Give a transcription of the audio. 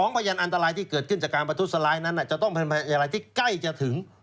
พยานอันตรายที่เกิดขึ้นจากการประทุษร้ายนั้นจะต้องเป็นพยานอะไรที่ใกล้จะถึง